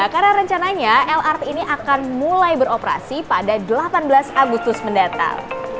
karena rencananya lrt ini akan mulai beroperasi pada delapan belas agustus mendatang